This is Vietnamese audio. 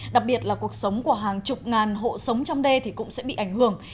đặc biệt là cuộc sống của hàng chục ngàn hộ sống trong đê thì cũng sẽ bị ảnh hưởng